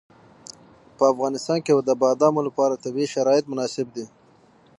په افغانستان کې د بادامو لپاره طبیعي شرایط مناسب دي.